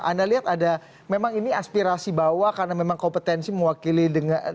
anda lihat ada memang ini aspirasi bawah karena memang kompetensi mewakili dengan